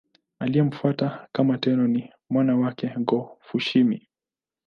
Aliyemfuata kama Tenno ni mwana wake Go-Fushimi.